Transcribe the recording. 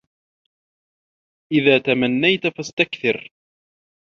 إذا تمنيت فاستكثر